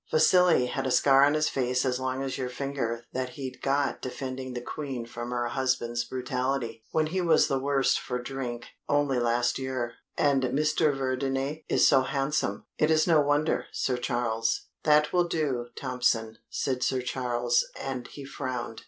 Vasili had a scar on his face as long as your finger that he'd got defending the Queen from her husband's brutality, when he was the worse for drink, only last year. And Mr. Verdayne is so handsome. It is no wonder, Sir Charles " "That will do, Tompson," said Sir Charles, and he frowned.